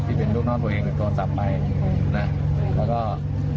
ที่เป็นลูกน้องตัวเองกับโทรศัพท์ไปนะแล้วก็